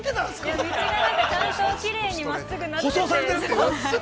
◆道がちゃんときれいに真っすぐなってて。